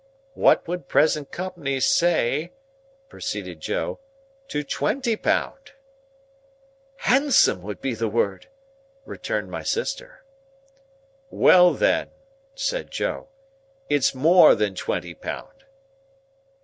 "What would present company say," proceeded Joe, "to twenty pound?" "Handsome would be the word," returned my sister. "Well, then," said Joe, "It's more than twenty pound."